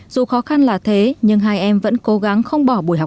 dù khó khăn là thế nhưng hai em vẫn cố gắng không bỏ buổi học